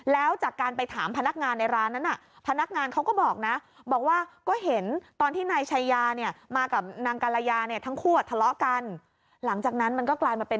แล้วจากการไปถามพนักงานในร้านนั้นน่ะ